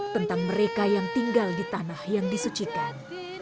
tentang mereka yang tinggal di tanah yang disucikan